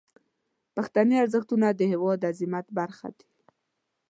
پښتني ارزښتونه د هیواد د عظمت برخه دي.